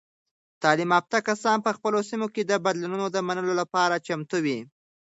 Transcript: تعلیم یافته کسان په خپلو سیمو کې د بدلونونو د منلو لپاره چمتو وي.